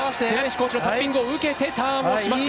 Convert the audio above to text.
コーチのタッピングを受けてターンしました。